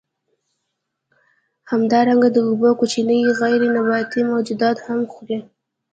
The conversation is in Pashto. همدارنګه د اوبو کوچني غیر نباتي موجودات هم خوري.